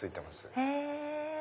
へぇ！